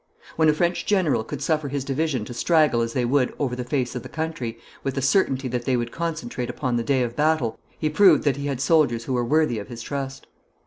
When a French general could suffer his division to straggle as they would over the face of the country, with the certainty that they would concentrate upon the day of battle, he proved that he had soldiers who were worthy of his trust.